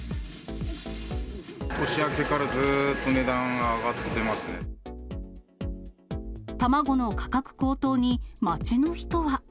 年明けからずっと値段が上が卵の価格高騰に、街の人は。